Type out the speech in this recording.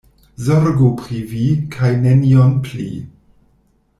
Zorgu pri vi, kaj nenion pli.